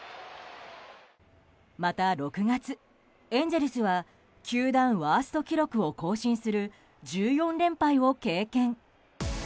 また６月、エンゼルスは球団ワースト記録を更新する１４連敗を経験。